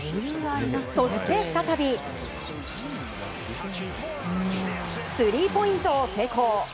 そして再びスリーポイントを成功。